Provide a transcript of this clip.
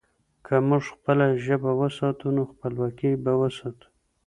که موږ خپله ژبه وساتو، نو خپلواکي به وساتو.